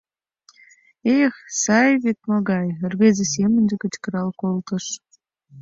«Эх, сай вет могай!» — рвезе семынже кычкырал колтыш.